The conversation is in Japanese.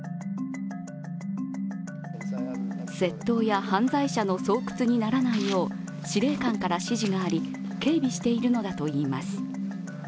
窃盗や犯罪者の巣窟にならないよう司令官から指示があり警備しているのだといいます。